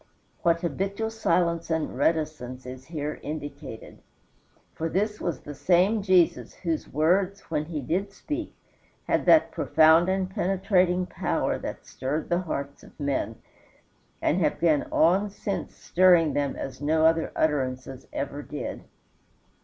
What habitual silence and reticence is here indicated! For this was the same Jesus whose words, when he did speak, had that profound and penetrating power that stirred the hearts of men, and have gone on since stirring them as no other utterances ever did.